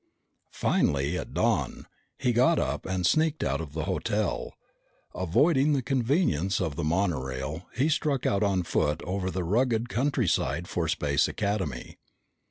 Finally, at dawn, he got up and sneaked out of the hotel. Avoiding the convenience of the monorail, he struck out on foot over the rugged countryside for Space Academy.